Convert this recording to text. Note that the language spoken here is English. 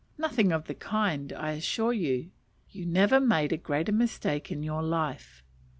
Nothing of the kind, I assure you. You never made a greater mistake in your life.